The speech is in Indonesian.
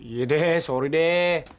iya deh sorry deh